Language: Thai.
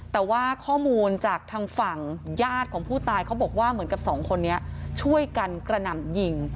แต่ว่าข้อมูลจากทางฝั่งญาติของผู้ตายเขาบอกว่าเหมือนกับสองคนนี้ช่วยกันกระหน่ำยิง